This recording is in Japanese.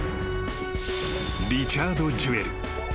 ［リチャード・ジュエル］